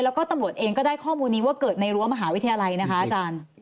แล้วก็ตำรวจเองก็ได้ข้อมูลนี้ว่าเกิดในรั้วมหาวิทยาลัยนะคะอาจารย์